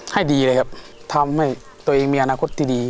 ให้ดีเลยครับทำให้ตัวเองมีอนาคตที่ดี